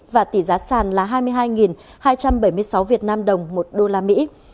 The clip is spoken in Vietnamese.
và tỷ giá sàn là hai mươi hai hai trăm bảy mươi sáu vnđ một đô la mỹ